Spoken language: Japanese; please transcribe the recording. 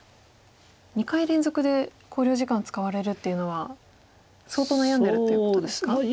２回連続で考慮時間使われるっていうのは相当悩んでるっていうことですか？